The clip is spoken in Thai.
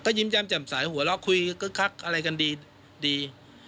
ก็ยิ้มแจ่มสายหัวแล้วคุยคักอะไรกันดี